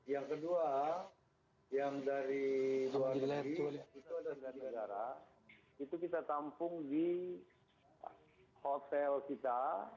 yang kedua yang dari luar negeri itu kita tampung di hotel kita